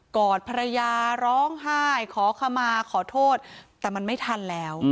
อดภรรยาร้องไห้ขอขมาขอโทษแต่มันไม่ทันแล้ว